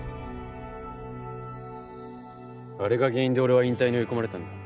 あれが原因で俺は引退に追い込まれたんだ。